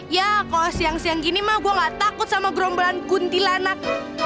ya kalau siang siang gini mah gue gak takut sama gerombolan kuntilanak